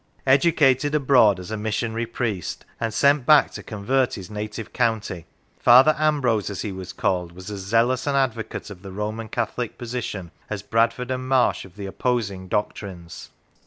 Educated abroad as a missionary priest, and sent back to convert his native county, Father Ambrose, as he was called, was as zealous an advocate of the Roman Catholic position as Bradford and Marsh of the opposing doctrines.